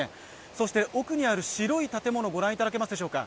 そして奥にある白い建物を御覧いただけますでしょうか。